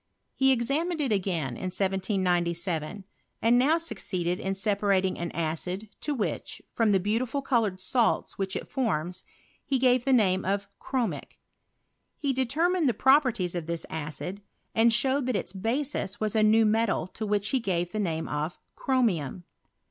He examined it again m 1797. and now succeeded in acpBrating an acid to which, from tbe beautifol coloured salts which it forms, he gave the name of chromic. He determined the properties of this acid, Rnd showed that its basis was a new metal to which he ga»e the name of ckrwaiam.